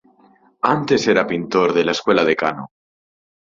Antes era pintor de la escuela de Kano.